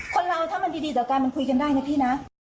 คนเราถ้ามันดีต่อกันมันคุยกันได้นะพี่นะ